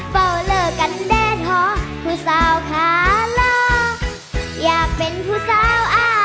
เฝ้าเลิกกันแดนหอผู้สาวขาหลอกอยากเป็นผู้สาวอ้า